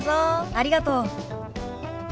ありがとう。